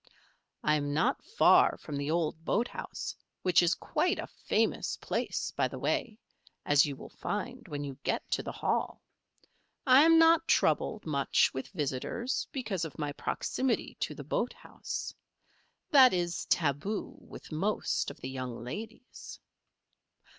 "I am not far from the old boathouse, which is quite a famous place, by the way, as you will find when you get to the Hall. I am not troubled much with visitors because of my proximity to the boathouse. That is taboo with most of the young ladies."